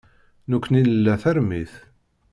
Nekkni nla tarmit.